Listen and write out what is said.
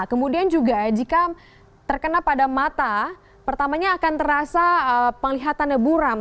kemudian juga jika terkena pada mata pertamanya akan terasa penglihatannya buram